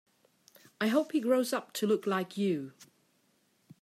I hope he grows up to look like you.